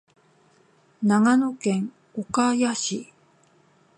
長野県岡谷市